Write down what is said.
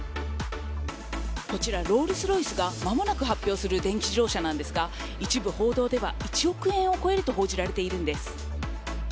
こちら、ロールス・ロイスがまもなく発表する電気自動車なんですが、一部報道では１億円を超えると報じられているんです。